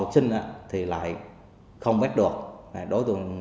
phải khó cầu